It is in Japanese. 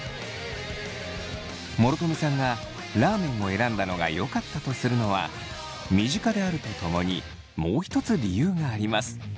諸富さんがラーメンを選んだのがよかったとするのは身近であるとともにもう一つ理由があります。